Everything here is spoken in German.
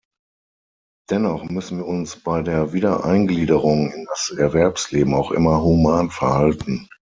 Dennoch müssen wir uns bei der Wiedereingliederung in das Erwerbsleben auch immer human verhalten.